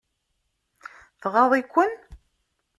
Tɣaḍ-iken.